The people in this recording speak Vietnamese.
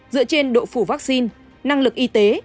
dựa trên độ phủ vaccine năng lực y tế